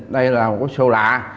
đây là một cái xô lạ